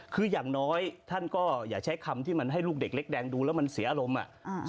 คืออย่างน้อยท่านก็อย่าใช้คำที่มันให้ลูกเด็กเล็กแดงดูแล้วมันเสียอารมณ์อ่ะ